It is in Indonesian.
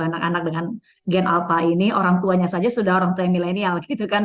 anak anak dengan gen alpa ini orang tuanya saja sudah orang tua yang milenial gitu kan